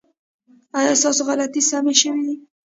ایا ستاسو غلطۍ سمې شوې دي؟